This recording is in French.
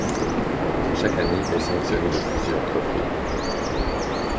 Chaque année est sanctionnée de plusieurs trophées.